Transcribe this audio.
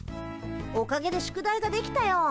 おかげで宿題が出来たよ。